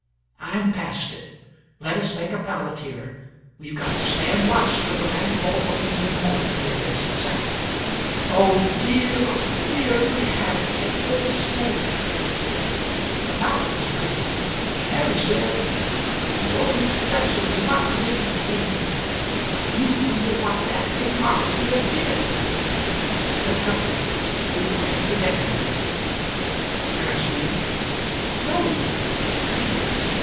"I'm past it. Let us make a pallet here; we've got to stand watch till the bank vault opens in the morning and admits the sack. .. Oh dear, oh dear if we hadn't made the mistake!" The pallet was made, and Mary said: "The open sesame what could it have been? I do wonder what that remark could have been. But come; we will get to bed now." "And sleep?" "No; think."